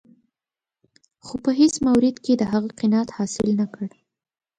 خو په هېڅ مورد کې یې د هغه قناعت حاصل نه کړ.